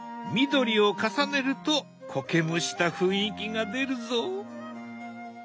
緑を重ねるとこけむした雰囲気が出るぞ。